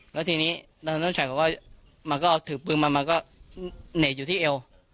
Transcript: แล้วทีนี้นายเริงชัยเขาก็มาก็เอาถือปืนมามันก็เหน็บอยู่ที่เอว